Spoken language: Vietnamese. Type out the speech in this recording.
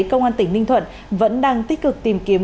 công an tỉnh ninh thuận vẫn đang tích cực tìm kiếm